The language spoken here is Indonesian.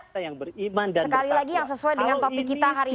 sekali lagi yang sesuai dengan topik kita hari ini